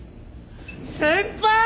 先輩！